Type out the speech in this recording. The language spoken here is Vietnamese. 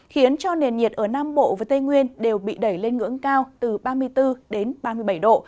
khiến cho nền nhiệt ở nam bộ và tây nguyên đều bị đẩy lên ngưỡng cao từ ba mươi bốn đến ba mươi bảy độ